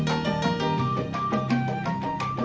jangan lebih terbuka